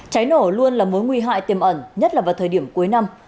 cháy nổ luôn là mối nguy hại tiềm ẩn nhất là vào thời điểm cuối năm